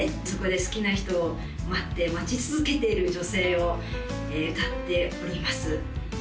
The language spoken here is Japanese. そこで好きな人を待って待ち続けている女性を歌っております